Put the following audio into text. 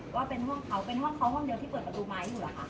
ก็จะเสียชีวิตโดย